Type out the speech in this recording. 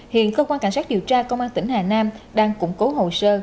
hiện cơ quan cảnh sát điều tra công an tỉnh hà nam đang củng cố hồ sơ